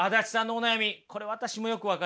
これ私もよく分かりますよ。